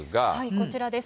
こちらです。